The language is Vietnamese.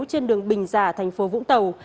trên đường bình giả thành phố vũng tàu